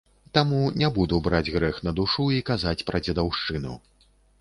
Таму не буду браць грэх на душу і казаць пра дзедаўшчыну.